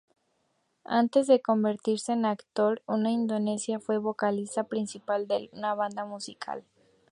Antes de convertirse en actor, en Indonesia fue vocalista principal de una banda musical.